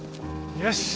よし。